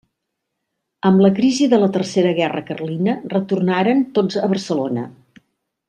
Amb la crisi de la Tercera Guerra Carlina retornaren tots a Barcelona.